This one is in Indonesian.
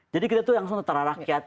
jadi kita itu langsung tentara rakyat